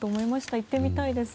行ってみたいです。